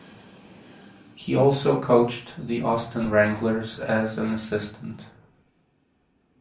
He also coached the Austin Wranglers as an assistant.